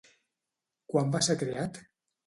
Quan va ser creat?